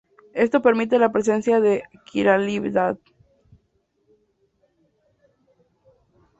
Esto permite la presencia de quiralidad.